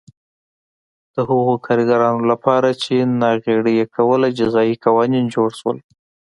د هغو کارګرانو لپاره چې ناغېړي یې کوله جزايي قوانین جوړ شول